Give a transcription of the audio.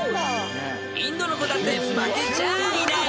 ［インドの子だって負けちゃあいない］